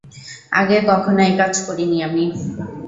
আগে কখনো একাজ করিনি আমি।